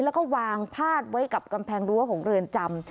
แล้วก็วางพาดไว้กับกำแพงรั้วของเรือนจำ